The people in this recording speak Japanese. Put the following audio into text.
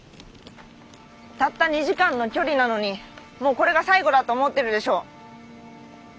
たった２時間の距離なのにもうこれが最後だと思ってるでしょ？